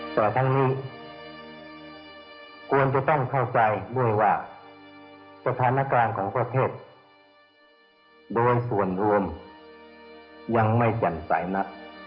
แต่ทั้งนี้ควรจะต้องเข้าใจด้วยว่าสถานการณ์ของประเทศโดยส่วนรวมยังไม่แจ่มใสนะ